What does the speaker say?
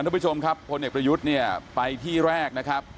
ทุกผู้ชมครับพลเอกประยุทธ์เนี่ยไปที่แรกนะครับ